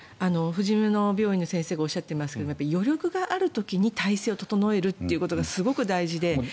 ふじみの救急病院の先生がおっしゃっていますが余力がある時に体制を整えるのがすごく大事で。